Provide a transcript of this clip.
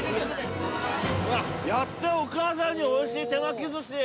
やったよ、お母さんにおいしい手巻きずし。